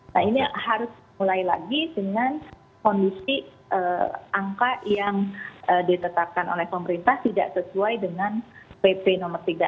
nah ini harus mulai lagi dengan kondisi angka yang ditetapkan oleh pemerintah tidak sesuai dengan pp no tiga puluh